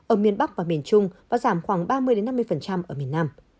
ở miền bắc và miền trung và giảm khoảng ba mươi năm mươi ở miền nam